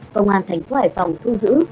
công an thành phố hải phòng thu giữ